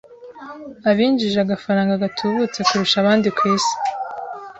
abinjije agafaranga gatubutse kurusha abandi ku Isi